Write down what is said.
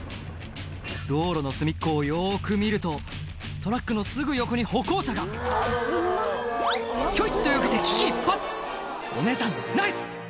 道路の隅っこをよく見るとトラックのすぐ横に歩行者がひょいっとよけて危機一髪お姉さんナイス！